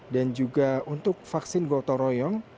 dan juga untuk vaksin gotong royong